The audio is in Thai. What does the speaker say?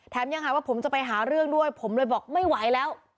ยังหาว่าผมจะไปหาเรื่องด้วยผมเลยบอกไม่ไหวแล้ว